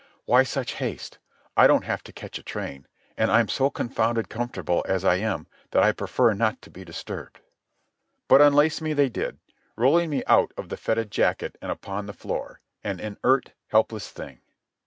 "Why such haste? I don't have to catch a train, and I am so confounded comfortable as I am that I prefer not to be disturbed." But unlace me they did, rolling me out of the fetid jacket and upon the floor, an inert, helpless thing.